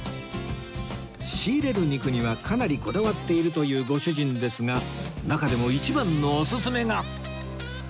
仕入れる肉にはかなりこだわっているというご主人ですが中でも一番のオススメが